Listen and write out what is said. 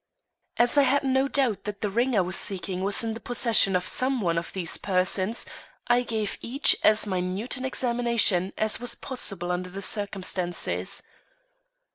As I had no doubt that the ring I was seeking was in the possession of some one of these persons, I gave each as minute an examination as was possible under the circumstances.